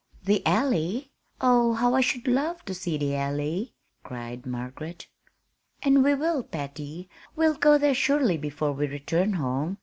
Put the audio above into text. "The Alley! Oh, how I should love to see the Alley!" cried Margaret. "And we will, Patty; we'll go there surely before we return home.